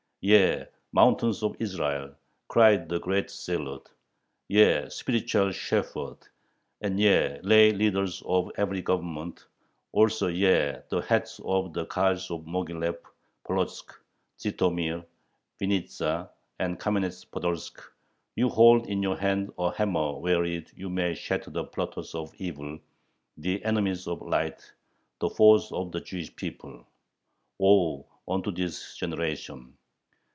Ye mountains of Israel cried the great zealot ye spiritual shepherds, and ye lay leaders of every Government, also ye, the heads of the Kahals of Moghilev, Polotzk, Zhitomir, Vinnitza, and Kamenetz Podolsk, you hold in your hands a hammer wherewith you may shatter the plotters of evil, the enemies of light, the foes of the [Jewish] people. Woe unto this generation!